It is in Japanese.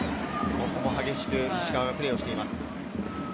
ここも激しく石川がプレーをしています。